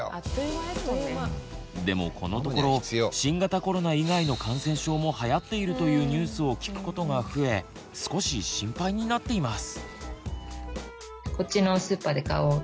でもこのところ新型コロナ以外の感染症もはやっているというニュースを聞くことが増え少し心配になっています。